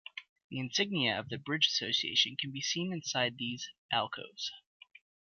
The insignia of the Bridge Association can be seen inside these alcoves.